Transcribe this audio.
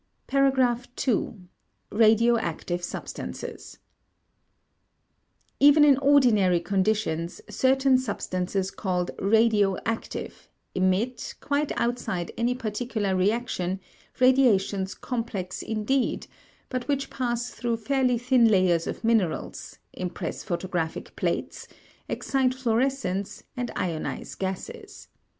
§ 2. RADIOACTIVE SUBSTANCES Even in ordinary conditions, certain substances called radioactive emit, quite outside any particular reaction, radiations complex indeed, but which pass through fairly thin layers of minerals, impress photographic plates, excite fluorescence, and ionize gases.